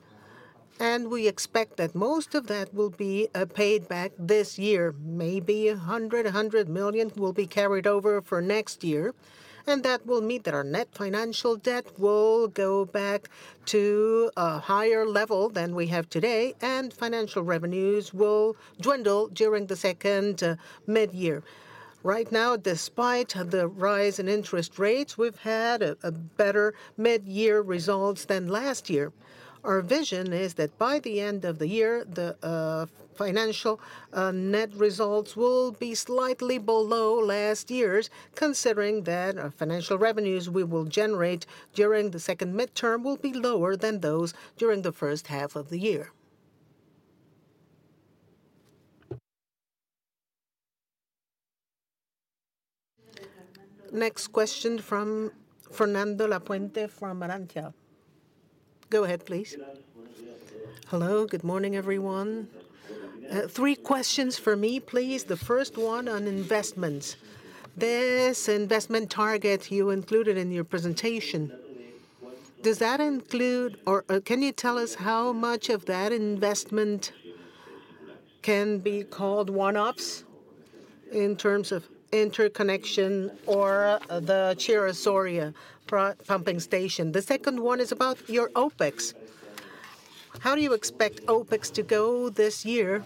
We expect that most of that will be paid back this year. Maybe 100 million will be carried over for next year. That will mean that our net financial debt will go back to a higher level than we have today. Financial revenues will dwindle during the second mid-year. Right now, despite the rise in interest rates, we've had better mid-year results than last year. Our vision is that by the end of the year, the financial net results will be slightly below last year's, considering that financial revenues we will generate during the second mid-term will be lower than those during the first half of the year. Next question from Fernando Lafuente from Alantra. Go ahead, please. Hello, good morning, everyone. Three questions for me, please. The first one on investments. This investment target you included in your presentation, does that include or can you tell us how much of that investment can be called one-ups in terms of interconnection or the Chira-Soria pumping station? The second one is about your OpEx. How do you expect OpEx to go this year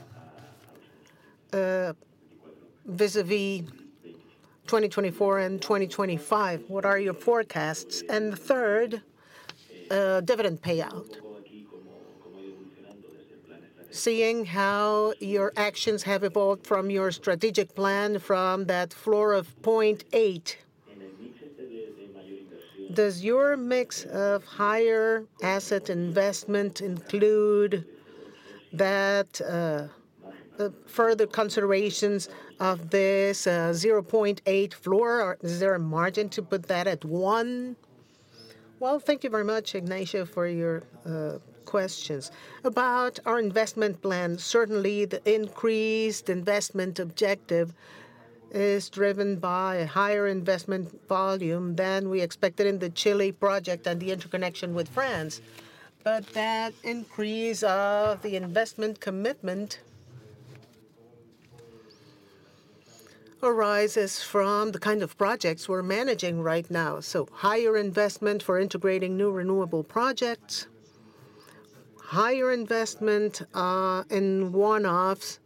vis-à-vis 2024 and 2025? What are your forecasts? The third, dividend payout, seeing how your actions have evolved from your strategic plan from that floor of 0.8. Does your mix of higher asset investment include further considerations of this 0.8 floor? Is there a margin to put that at 1? Well, thank you very much, Ignacio, for your questions. About our investment plan, certainly, the increased investment objective is driven by a higher investment volume than we expected in the Chile project and the interconnection with France. That increase of the investment commitment arises from the kind of projects we're managing right now. Higher investment for integrating new renewable projects, higher investment in one-ups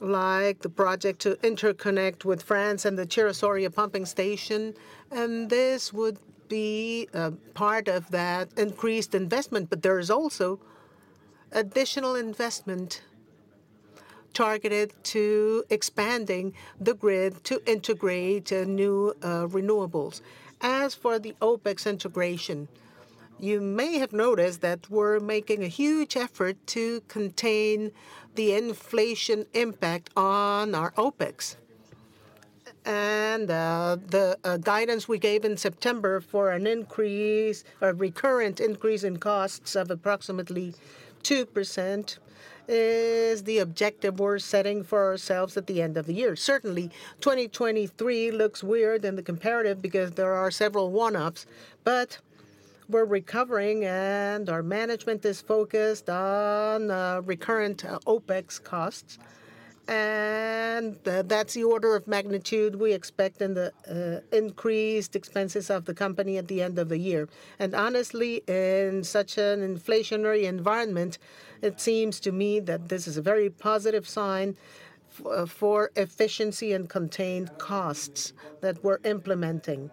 like the project to interconnect with France and the Chira-Soria pumping station. This would be part of that increased investment. There is also additional investment targeted to expanding the grid to integrate new renewables. As for the OpEx integration, you may have noticed that we're making a huge effort to contain the inflation impact on our OpEx. The guidance we gave in September for an increase, a recurrent increase in costs of approximately 2% is the objective we're setting for ourselves at the end of the year. Certainly, 2023 looks weird in the comparative because there are several one-ups. We're recovering. Our management is focused on recurrent OpEx costs. That's the order of magnitude we expect in the increased expenses of the company at the end of the year. Honestly, in such an inflationary environment, it seems to me that this is a very positive sign for efficiency and contained costs that we're implementing.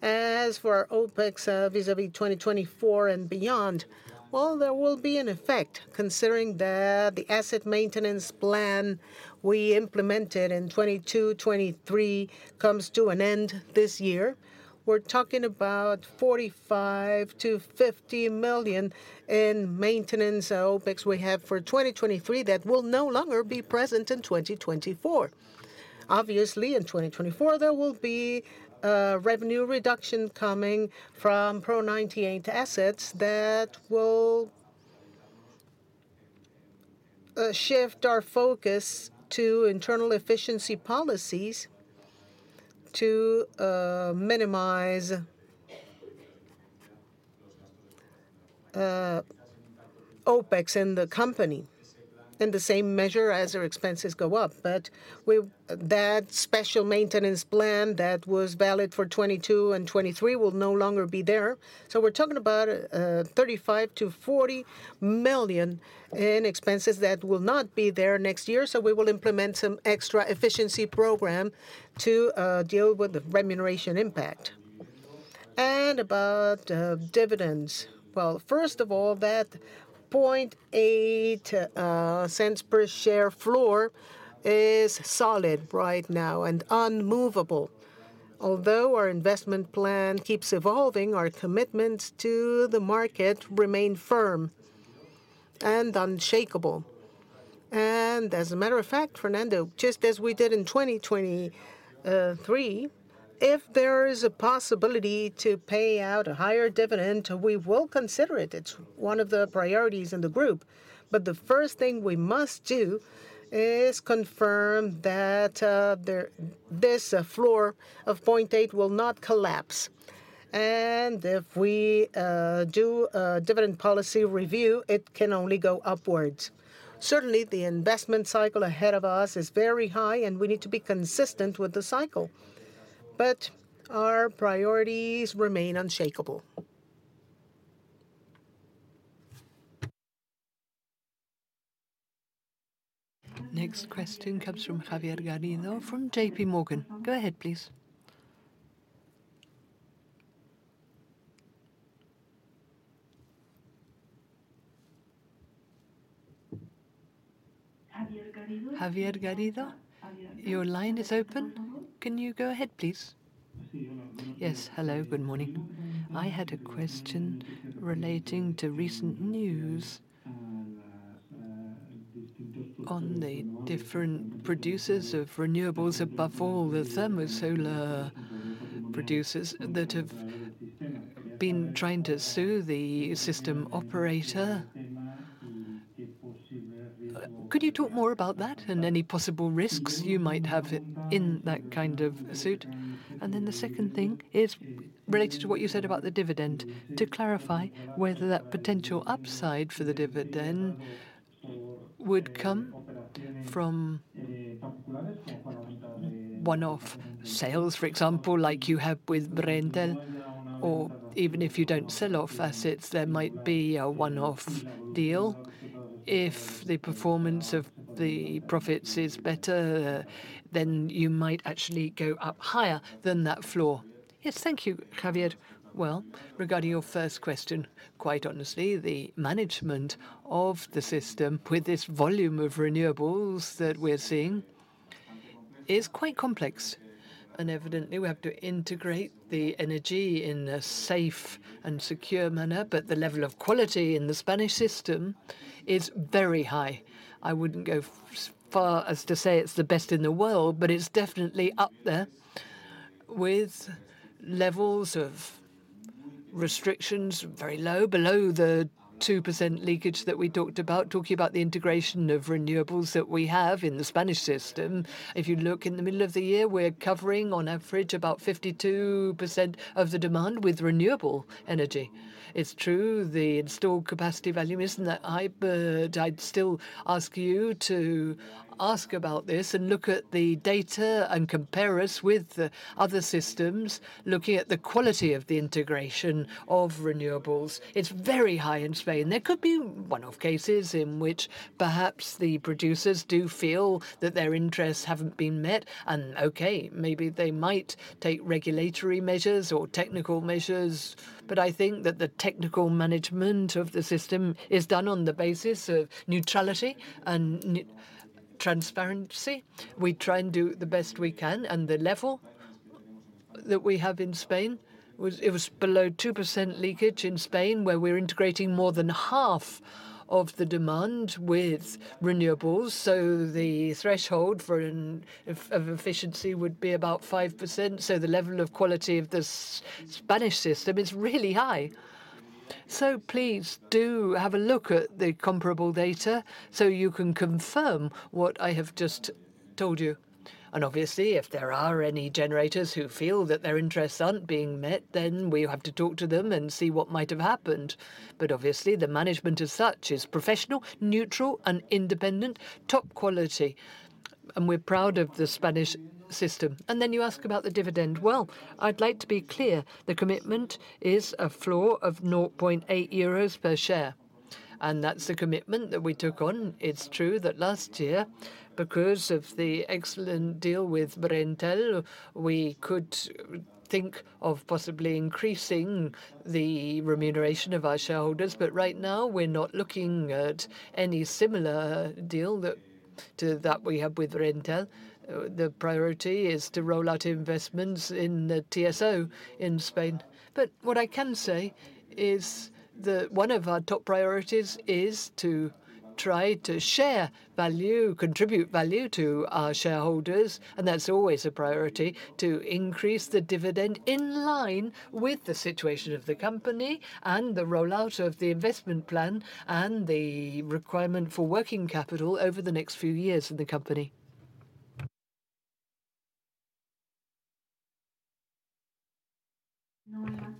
As for our OpEx vis-à-vis 2024 and beyond, well, there will be an effect considering that the asset maintenance plan we implemented in 2022, 2023 comes to an end this year. We're talking about 45 million-50 million in maintenance OpEx we have for 2023 that will no longer be present in 2024. In 2024, there will be revenue reduction coming from pre-98 assets that will shift our focus to internal efficiency policies to minimize OpEx in the company in the same measure as our expenses go up. That special maintenance plan that was valid for 2022 and 2023 will no longer be there. We're talking about 35 million-40 million in expenses that will not be there next year. We will implement some extra efficiency program to deal with the remuneration impact. About dividends, well, first of all, that 0.008 per share floor is solid right now and unmovable. Although our investment plan keeps evolving, our commitments to the market remain firm and unshakable. As a matter of fact, Fernando, just as we did in 2023, if there is a possibility to pay out a higher dividend, we will consider it. It's one of the priorities in the group. The first thing we must do is confirm that this floor of 0.8 will not collapse. If we do a dividend policy review, it can only go upwards. Certainly, the investment cycle ahead of us is very high. We need to be consistent with the cycle. Our priorities remain unshakable. Next question comes from Javier Garrido from JPMorgan. Go ahead, please. Javier Garrido, your line is open. Can you go ahead, please? Yes. Hello, good morning. I had a question relating to recent news on the different producers of renewables, above all the thermosolar producers that have been trying to sue the system operator. Could you talk more about that and any possible risks you might have in that kind of suit? The second thing is related to what you said about the dividend, to clarify whether that potential upside for the dividend would come from one-off sales, for example, like you have with Reintel. Even if you don't sell off assets, there might be a one-off deal. If the performance of the profits is better, you might actually go up higher than that floor. Yes, thank you, Javier. Well, regarding your first question, quite honestly, the management of the system with this volume of renewables that we're seeing is quite complex. Evidently, we have to integrate the energy in a safe and secure manner. The level of quality in the Spanish system is very high. I wouldn't go far as to say it's the best in the world. It's definitely up there with levels of restrictions very low, below the 2% leakage that we talked about, talking about the integration of renewables that we have in the Spanish system. If you look in the middle of the year, we're covering, on average, about 52% of the demand with renewable energy. It's true. The installed capacity value isn't that high. I'd still ask you to ask about this and look at the data and compare us with the other systems, looking at the quality of the integration of renewables. It's very high in Spain. There could be one-off cases in which perhaps the producers do feel that their interests haven't been met. Okay, maybe they might take regulatory measures or technical measures. I think that the technical management of the system is done on the basis of neutrality and transparency. We try and do the best we can. The level that we have in Spain, it was below 2% leakage in Spain, where we're integrating more than half of the demand with renewables. The threshold for efficiency would be about 5%. The level of quality of the Spanish system is really high. Please do have a look at the comparable data so you can confirm what I have just told you. Obviously, if there are any generators who feel that their interests aren't being met, then we have to talk to them and see what might have happened. Obviously, the management as such is professional, neutral, and independent, top quality. We're proud of the Spanish system. You ask about the dividend. Well, I'd like to be clear. The commitment is a floor of 0.8 euros per share. That's the commitment that we took on. It's true that last year, because of the excellent deal with Reintel, we could think of possibly increasing the remuneration of our shareholders. Right now, we're not looking at any similar deal to that we have with Reintel. The priority is to roll out investments in the TSO in Spain. What I can say is that one of our top priorities is to try to share value, contribute value to our shareholders. That's always a priority, to increase the dividend in line with the situation of the company and the rollout of the investment plan and the requirement for working capital over the next few years in the company.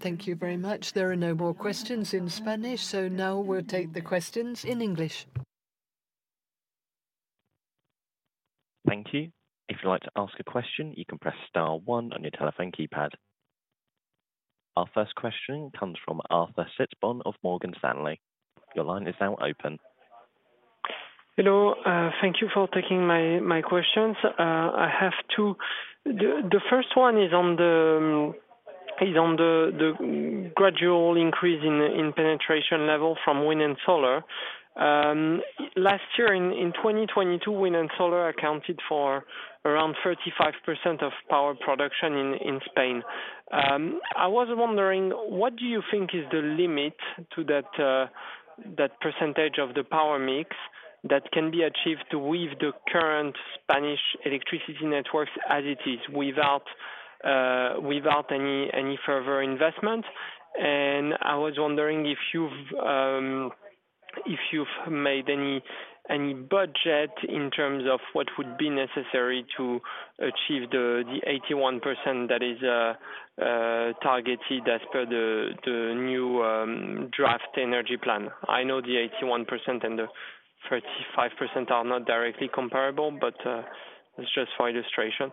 Thank you very much. There are no more questions in Spanish. Now we'll take the questions in English. Thank you. If you'd like to ask a question, you can press star one on your telephone keypad. Our first question comes from Arthur Sitbon of Morgan Stanley. Your line is now open. Hello. Thank you for taking my questions. I have two. The first one is on the gradual increase in penetration level from wind and solar. Last year, in 2022, wind and solar accounted for around 35% of power production in Spain. I was wondering, what do you think is the limit to that percentage of the power mix that can be achieved to weave the current Spanish electricity networks as it is without any further investment? I was wondering if you've made any budget in terms of what would be necessary to achieve the 81% that is targeted as per the new draft energy plan. I know the 81% and the 35% are not directly comparable. It's just for illustration.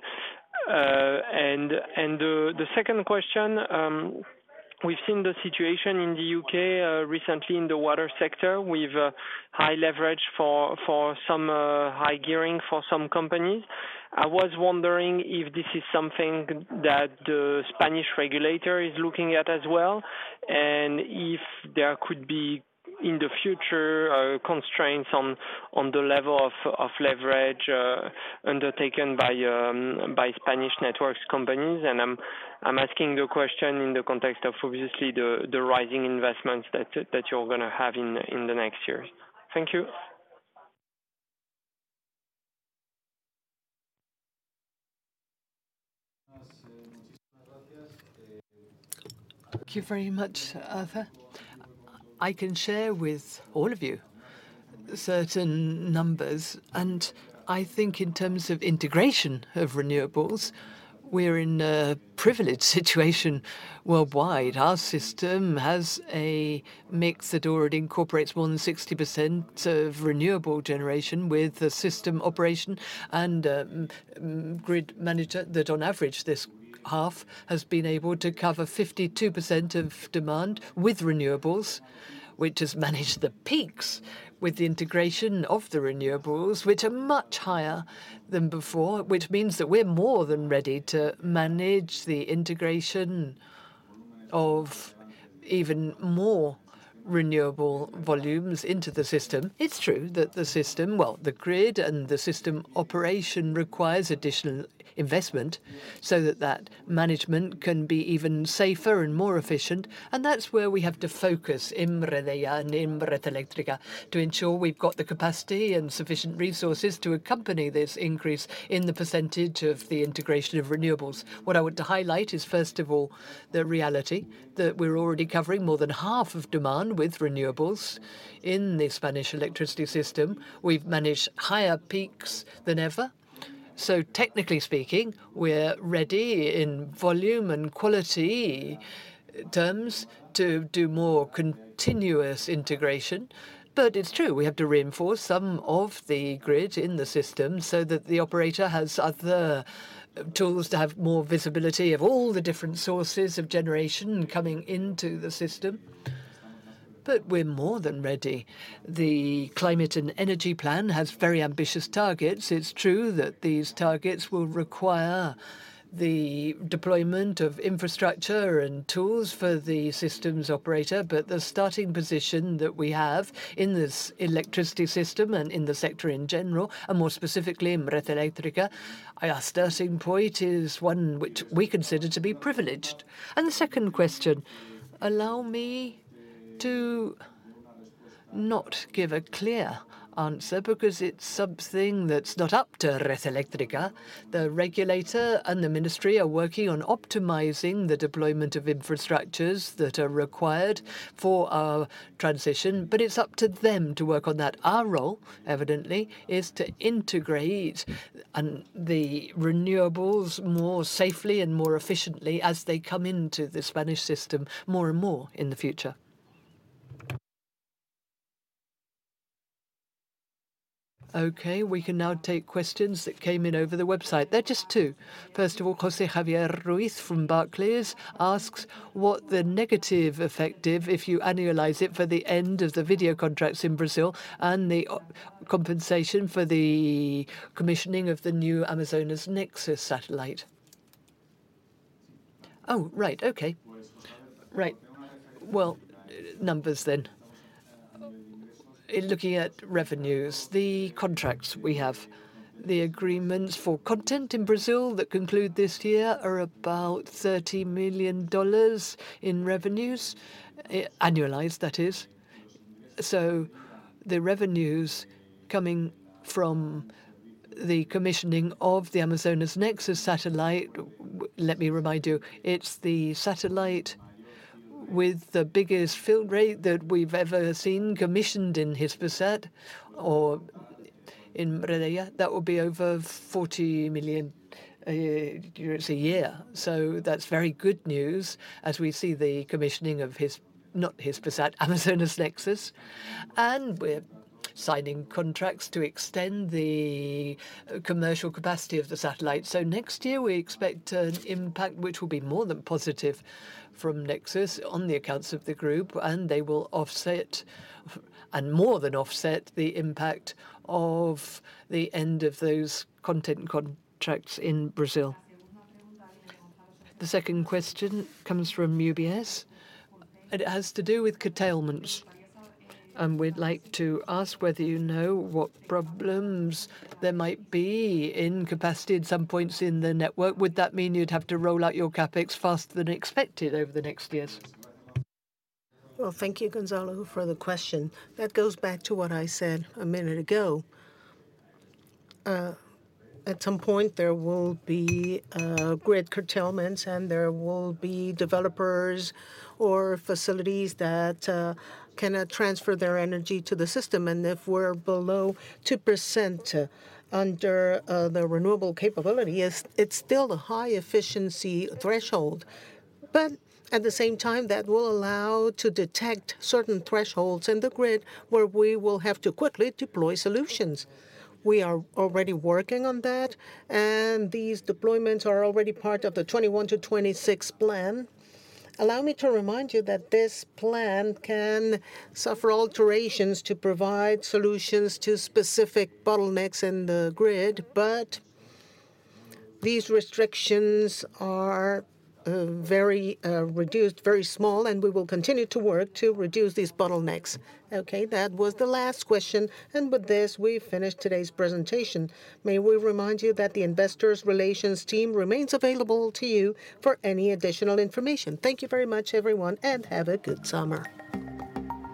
The second question, we've seen the situation in the U.K. recently in the water sector with high leverage for some high gearing for some companies. I was wondering if this is something that the Spanish regulator is looking at as well and if there could be, in the future, constraints on the level of leverage undertaken by Spanish networks companies. I'm asking the question in the context of, obviously, the rising investments that you're going to have in the next years. Thank you. Thank you very much, Arthur. I can share with all of you certain numbers. I think in terms of integration of renewables, we're in a privileged situation worldwide. Our system has a mix that already incorporates more than 60% of renewable generation with the system operation and grid manager that, on average, this half has been able to cover 52% of demand with renewables, which has managed the peaks with the integration of the renewables, which are much higher than before, which means that we're more than ready to manage the integration of even more renewable volumes into the system. It's true that the system, well, the grid and the system operation requires additional investment so that that management can be even safer and more efficient. That's where we have to focus, Redeia and Red Eléctrica, to ensure we've got the capacity and sufficient resources to accompany this increase in the percentage of the integration of renewables. What I want to highlight is, first of all, the reality that we're already covering more than half of demand with renewables in the Spanish electricity system. We've managed higher peaks than ever. Technically speaking, we're ready in volume and quality terms to do more continuous integration. It's true. We have to reinforce some of the grid in the system so that the operator has other tools to have more visibility of all the different sources of generation coming into the system. We're more than ready. The Climate and Energy Plan has very ambitious targets. It's true that these targets will require the deployment of infrastructure and tools for the system's operator. The starting position that we have in this electricity system and in the sector in general, and more specifically Red Eléctrica, our starting point is one which we consider to be privileged. The second question, allow me to not give a clear answer because it's something that's not up to Red Eléctrica. The regulator and the ministry are working on optimizing the deployment of infrastructures that are required for our transition. It's up to them to work on that. Our role, evidently, is to integrate the renewables more safely and more efficiently as they come into the Spanish system more and more in the future. Okay. We can now take questions that came in over the website. They're just two. First of all, José Javier Ruiz from Barclays asks what the negative effect is, if you annualize it, for the end of the video contracts in Brazil and the compensation for the commissioning of the new Amazonas Nexus satellite. Right. Okay. Right. Well, numbers then. Looking at revenues, the contracts we have, the agreements for content in Brazil that conclude this year are about $30 million in revenues, annualized, that is. The revenues coming from the commissioning of the Amazonas Nexus satellite, let me remind you, it's the satellite with the biggest field rate that we've ever seen commissioned in Hispasat or in Redeia. That will be over 40 million euros a year. That's very good news as we see the commissioning of Amazonas Nexus. We're signing contracts to extend the commercial capacity of the satellite. Next year, we expect an impact which will be more than positive from Nexus on the accounts of the group. They will offset and more than offset the impact of the end of those content contracts in Brazil. The second question comes from UBS. It has to do with curtailments. We'd like to ask whether you know what problems there might be in capacity at some points in the network? Would that mean you'd have to roll out your CapEx faster than expected over the next years? Well, thank you, Gonzalo, for the question. That goes back to what I said a minute ago. At some point, there will be grid curtailments. There will be developers or facilities that cannot transfer their energy to the system. If we're below 2% under the renewable capability, it's still a high efficiency threshold. At the same time, that will allow to detect certain thresholds in the grid where we will have to quickly deploy solutions. We are already working on that. These deployments are already part of the 2021-2026 plan. Allow me to remind you that this plan can suffer alterations to provide solutions to specific bottlenecks in the grid. These restrictions are very reduced, very small. We will continue to work to reduce these bottlenecks. Okay. That was the last question. With this, we finish today's presentation. May we remind you that the investors relations team remains available to you for any additional information. Thank you very much, everyone. Have a good summer.